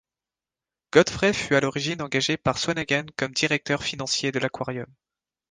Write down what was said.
Godfrey fut à l'origine engagé par Swanagan comme directeur financier de l'Aquarium.